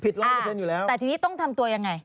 ร้อยเปอร์เซ็นต์อยู่แล้วแต่ทีนี้ต้องทำตัวยังไง